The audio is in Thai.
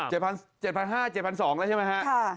เจ็ดพันห้าเจ็ดพันสองแล้วใช่ไหมฮะค่ะ